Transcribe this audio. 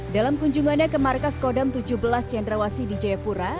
dalam kunjungannya ke markas kodam tujuh belas cendrawasi di jayapura